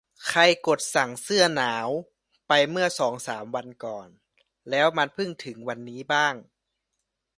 ใครกดสั่งเสื้อหนาวไปเมื่อสองสามวันก่อนแล้วมันเพิ่งส่งถึงวันนี้บ้าง